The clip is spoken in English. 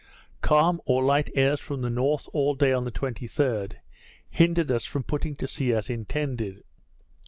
Calm or light airs from the north all day on the 23d, hindered us from putting to sea as intended.